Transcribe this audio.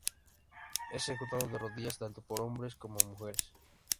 Es ejecutado de rodillas, tanto por hombres como por mujeres.